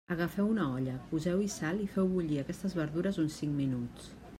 Agafeu una olla, poseu-hi sal i feu bullir aquestes verdures uns cinc minuts.